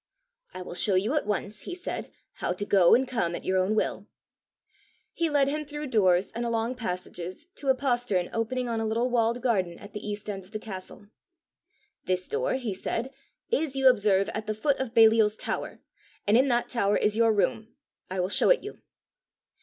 "I will show you at once," he said, "how to go and come at your own will." He led him through doors and along passages to a postern opening on a little walled garden at the east end of the castle. "This door," he said, "is, you observe, at the foot of Baliol's tower, and in that tower is your room; I will show it you."